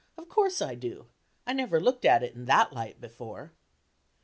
Of course I do,—I never looked at it in that light before."